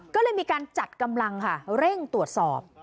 ก็เลยมีการจัดกำลังค่ะเร่งตรวจสอบ